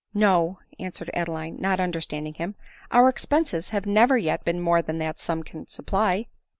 " No," answered Adeline (not understanding him) —" our expenses have never yet been more than that sum can supply."